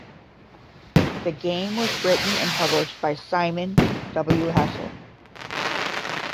The game was written and published by Simon W Hessel.